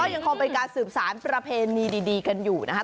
ยังคงเป็นการสืบสารประเพณีดีกันอยู่นะครับ